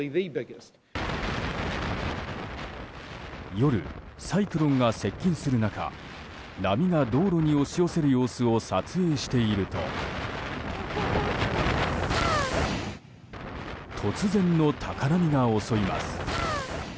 夜、サイクロンが接近する中波が道路に押し寄せる様子を撮影していると突然の高波が襲います。